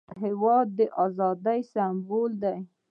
هېواد د ازادۍ سمبول دی.